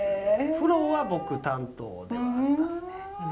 風呂は僕担当ではありますね。